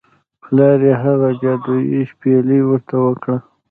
پلار یې هغه جادويي شپیلۍ ورته ورکړه.